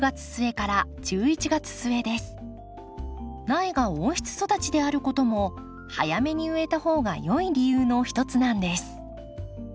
苗が温室育ちであることも早めに植えた方がよい理由の一つなんです。